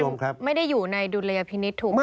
คือมันไม่ได้อยู่ในดุเรียพินิษฐ์ถูกไหมครับ